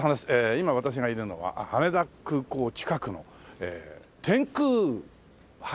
今私がいるのは羽田空港近くの天空橋。